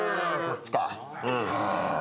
こっちか。